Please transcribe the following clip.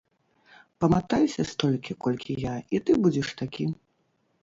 Паматайся столькі, колькі я, і ты будзеш такі.